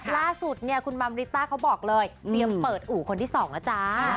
ล่าสุดเนี่ยคุณบัมริต้าเขาบอกเลยเตรียมเปิดอู่คนที่๒แล้วจ้า